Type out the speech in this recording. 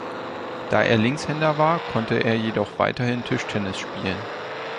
Da er Linkshänder war, konnte er jedoch weiterhin Tischtennis spielen.